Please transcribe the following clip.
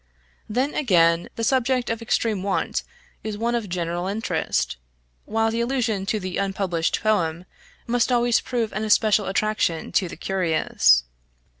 Then again, the subject of extreme want is one of general interest, while the allusion to the unpublished poem must always prove an especial attraction to the curious.